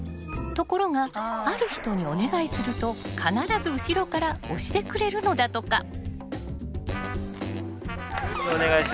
ところがある人にお願いすると必ず後ろから押してくれるのだとか。